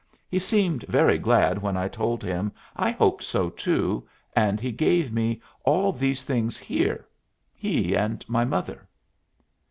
"He seemed very glad when I told him I hoped so, too, and he gave me all these things here he and my mother."